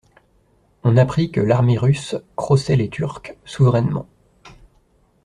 On apprit que l'armée russe crossait les Turks souverainement.